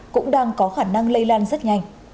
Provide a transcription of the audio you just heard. cũng đang có khả năng lây lan rất nhanh